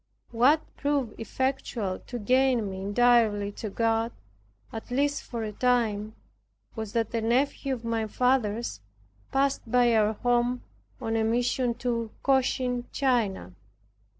What proved effectual to gain me entirely to God, at least for a time, was that a nephew of my father's passed by our home on a mission to Cochin China.